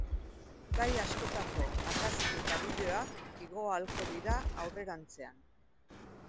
Gai askotako argazki eta bideoak igo ahalko dira aurrerantzean.